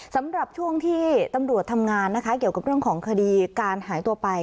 สำหรับช่วงที่ตำรวจทำงานนะคะเกี่ยวกับเรื่องของคดีการหายตัวไป